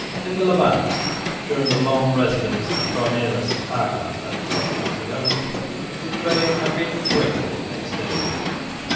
In the Levant, during the long residence of Cornelis Haga at Constantinople, trade had been greatly extended.